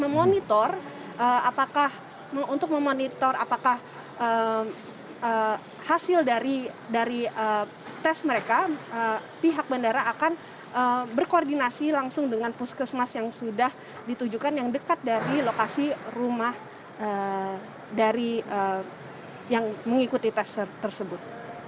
dan untuk memonitor apakah hasil dari tes mereka pihak bandara akan berkoordinasi langsung dengan puskesmas yang sudah ditujukan yang dekat dari lokasi rumah yang mengikuti tes tersebut